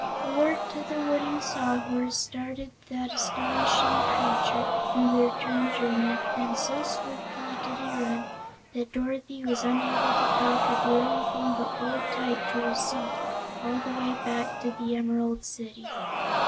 A word to the wooden Sawhorse started that astonishing creature on the return journey, and so swiftly did he run that Dorothy was unable to talk or do anything but hold tight to her seat all the way back to the Emerald City.